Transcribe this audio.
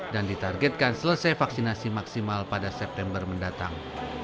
dan ditargetkan selesai vaksinasi maksimal pada september mendatang